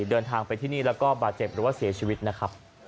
เดินทางไปที่นี่แล้วก็บาดเจ็บหรือว่าเสียชีวิตนะครับ